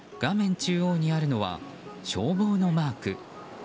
中央にあるのは消防のマーク。